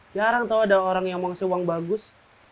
jarang tau ada orang yang mau ngasih uang bagus